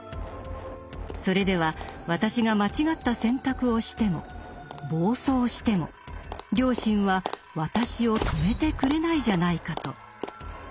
それでは「私」が間違った選択をしても暴走しても「良心」は「私」を止めてくれないじゃないかと。